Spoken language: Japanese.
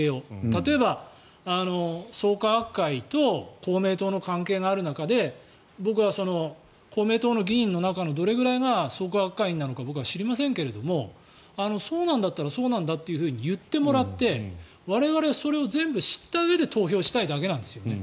例えば、創価学会と公明党の関係がある中で僕は公明党の議員の中のどれぐらいが創価学会員なのか僕は知りませんけれどそうなんだったらそうなんだと言ってもらって我々はそれを全部知ったうえで投票したいだけなんですよね。